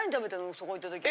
そこ行った時は。